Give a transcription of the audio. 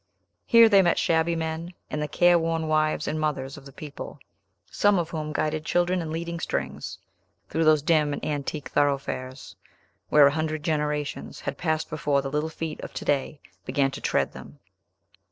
Here they met shabby men, and the careworn wives and mothers of the people, some of whom guided children in leading strings through those dim and antique thoroughfares, where a hundred generations had passed before the little feet of to day began to tread them.